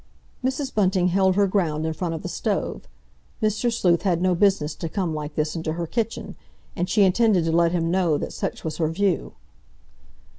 Mrs. Bunting held her ground in front of the stove. Mr. Sleuth had no business to come like this into her kitchen, and she intended to let him know that such was her view.